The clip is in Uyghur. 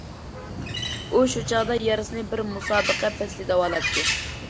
ئۇ شۇ چاغدا يارىسىنى بىر مۇسابىقە پەسلى داۋالاتتى.